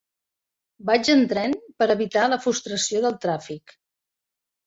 Vaig en tren per evitar la frustració del tràfic.